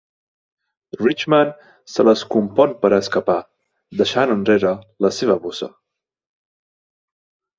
Richman se les compon per escapar, deixant enrere la seva bossa.